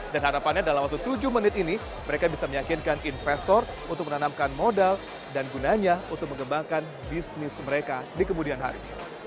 dan harapannya dalam waktu tujuh menit ini mereka bisa meyakinkan investor untuk menanamkan modal dan gunanya untuk mengembangkan bisnis mereka di kemudian hari